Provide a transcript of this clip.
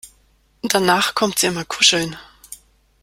Danach kommt sie immer kuscheln.